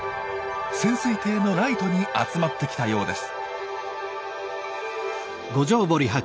潜水艇のライトに集まってきたようです。